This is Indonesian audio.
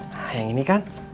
nah yang ini kan